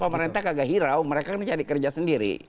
pemerintah kagak hirau mereka ini cari kerja sendiri